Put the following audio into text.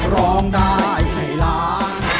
ร้องได้ให้ล้าน